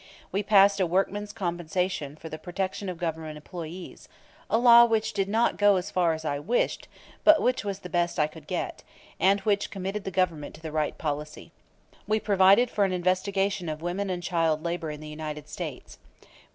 We passed a workmen's compensation law for the protection of Government employees; a law which did not go as far as I wished, but which was the best I could get, and which committed the Government to the right policy. We provided for an investigation of woman and child labor in the United States.